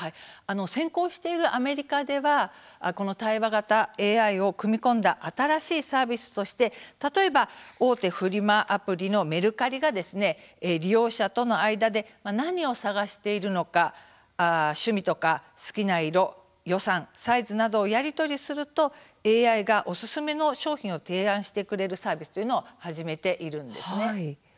先行しているアメリカではこの対話型ＡＩを組み込んだ新しいサービスとして例えば、大手フリマアプリのメルカリが利用者との間で何を探しているのか趣味とか好きな色、予算サイズなどやり取りをするとＡＩがおすすめの商品を提案してくれるサービスというのを始めているんです。